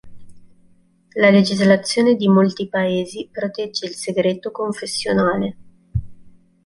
La legislazione di molti Paesi protegge il segreto confessionale.